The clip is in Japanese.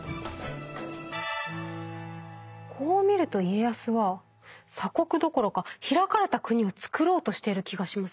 こう見ると家康は鎖国どころか開かれた国をつくろうとしている気がしますね。